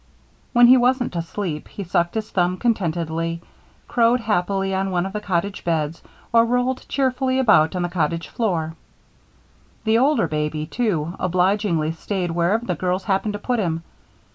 When he wasn't asleep, he sucked his thumb contentedly, crowed happily on one of the cottage beds, or rolled cheerfully about on the cottage floor. The older baby, too, obligingly stayed wherever the girls happened to put him.